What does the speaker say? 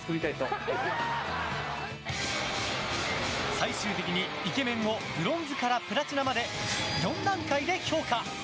最終的にイケメンをブロンズからプラチナまで４段階で評価。